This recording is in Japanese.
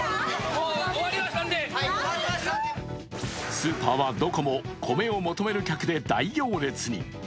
スーパーはどこも米を求める客で大行列に。